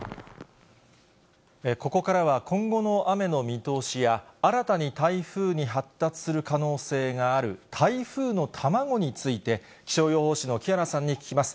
ここからは今後の雨の見通しや、新たに台風に発達する可能性がある台風の卵について、気象予報士の木原さんに聞きます。